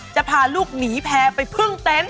จะพาลูกหนีแผลไปเพิ่งเต้น